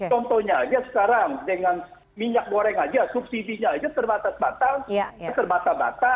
contohnya aja sekarang dengan minyak goreng aja subsidinya aja terbatas batal terbatas